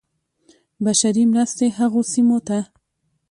بشري مرستې هغو سیمو ته.